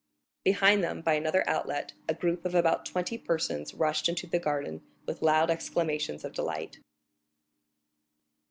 Behind them, by another outlet, a group of about twenty persons rushed into the garden with loud exclamations of delight.